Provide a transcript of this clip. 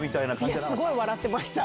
すごい笑ってました。